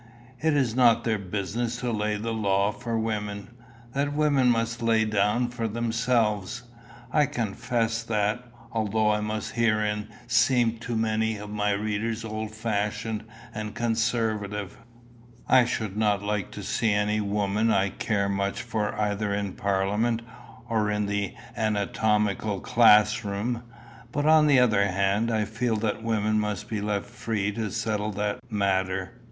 It is not their business to lay the law for women. That women must lay down for themselves. I confess that, although I must herein seem to many of my readers old fashioned and conservative, I should not like to see any woman I cared much for either in parliament or in an anatomical class room; but on the other hand I feel that women must be left free to settle that matter.